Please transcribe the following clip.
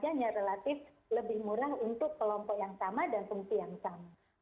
dan kemudian yang relatif lebih murah untuk kelompok yang sama dan fungsi yang sama